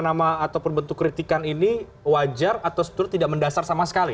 nama ataupun bentuk kritikan ini wajar atau sebetulnya tidak mendasar sama sekali